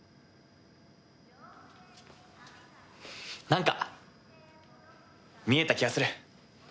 なんか見えた気がする。